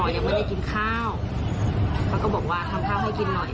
ยังไม่ได้กินข้าวเขาก็บอกว่าทำข้าวให้กินหน่อย